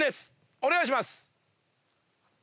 お願いします！